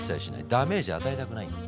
ダメージ与えたくない。